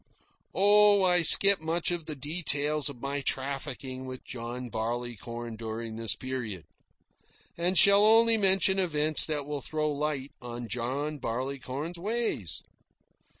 Oh, I skip much of the details of my trafficking with John Barleycorn during this period, and shall only mention events that will throw light on John Barleycorn's ways.